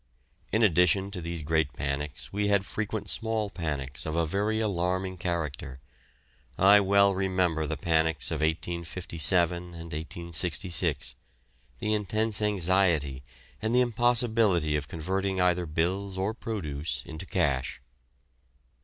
In addition to these great panics we had frequent small panics of a very alarming character. I well remember the panics of 1857 and 1866; the intense anxiety and the impossibility of converting either bills or produce into cash.